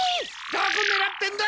どこねらってんだ！